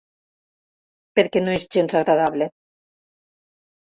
Perquè no és gens agradable.